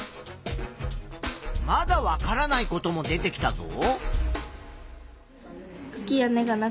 まだわからないことも出てきたぞ。